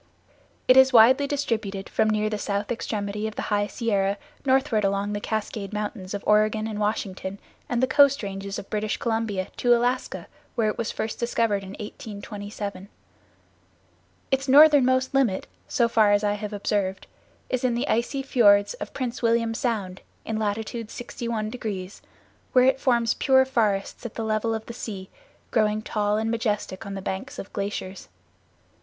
It is widely distributed from near the south extremity of the high Sierra northward along the Cascade Mountains of Oregon and Washington and the coast ranges of British Columbia to Alaska, where it was first discovered in 1827. Its northernmost limit, so far as I have observed, is in the icy fiords of Prince William Sound in latitude 61°, where it forms pure forests at the level of the sea, growing tall and majestic on the banks of glaciers.